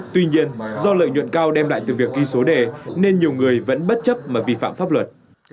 tuy nhiên do lợi nhuận cao đem lại từ việc ghi số đề nên nhiều người vẫn bất chấp mà vi phạm pháp luật